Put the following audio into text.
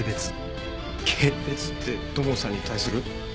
軽蔑って土門さんに対する？